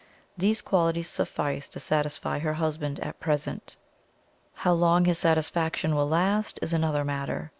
These qualities suffice to satisfy her husband at present; how long his satisfaction will last is another matter.